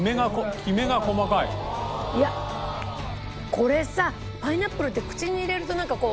いやこれさパイナップルって口に入れるとなんかこう。